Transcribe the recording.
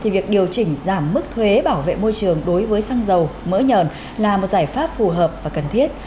việc điều chỉnh giảm mức thuế bảo vệ môi trường đối với xăng dầu mỡ nhờn là một giải pháp phù hợp và cần thiết